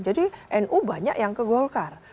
nu banyak yang ke golkar